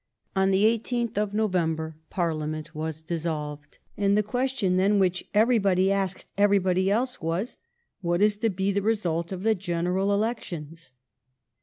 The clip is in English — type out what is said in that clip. On the i8th of November Parliament was dissolved, and the question then which everybody asked everybody else was, What is to be the result of the general elections